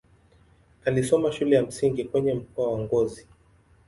Alisoma shule ya msingi kwenye mkoa wa Ngozi.